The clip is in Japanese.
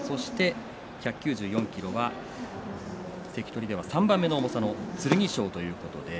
１９４ｋｇは関取では３番目の重さの剣翔ということです。